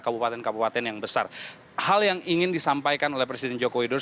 kabupaten kabupaten yang besar hal yang ingin disampaikan oleh presiden joko widodo